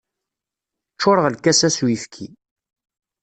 Ččureɣ lkas-a s uyefki.